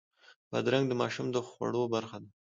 بادرنګ د ماشوم د خوړو برخه ده.